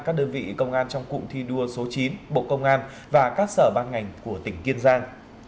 các đơn vị công an trong cụm thi đua số chín bộ công an và các sở ban ngành của tỉnh kiên giang